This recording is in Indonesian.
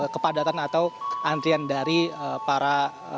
keadaan atau idea dari kepala